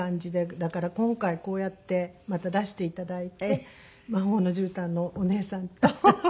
だから今回こうやってまた出していただいて『魔法のじゅうたん』のお姉さんと。